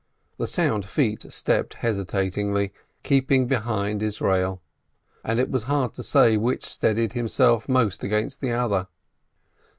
The sound feet stepped hesitatingly, keep ing behind Israel, and it was hard to say which steadied himself most against the other.